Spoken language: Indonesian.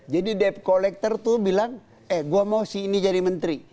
jadi debt collector itu bilang eh gue mau si ini jadi menteri